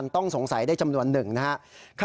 ต้องสงสัยได้จำนวนหนึ่งนะครับ